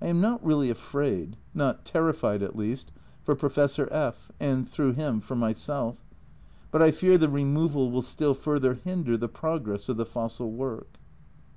I am not really afraid (not terrified, at least) for Professor F (and through him, for myself), but I fear the removal will still further hinder the progress of the fossil work.